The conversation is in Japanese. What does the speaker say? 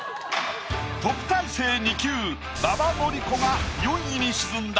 特待生２級馬場典子が４位に沈んだ。